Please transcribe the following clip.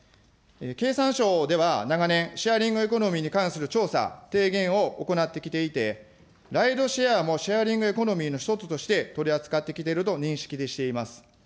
経産省では長年、シェアリングエコノミーに関する調査、提言を行ってきていて、ライドシェアもシェアリングエコノミーの一つとして、取り扱ってきていると認識しています。